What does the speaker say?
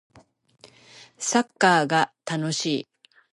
サッカー楽しい